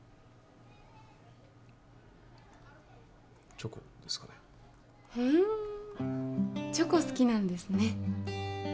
チョコですかねふんチョコ好きなんですね